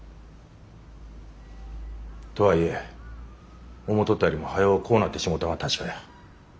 とはいえ思とったよりも早うこうなってしもたんは確かや。